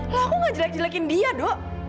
lah aku gak jelekin dia doh